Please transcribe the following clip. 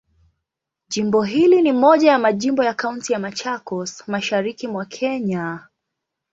Jimbo hili ni moja ya majimbo ya Kaunti ya Machakos, Mashariki mwa Kenya.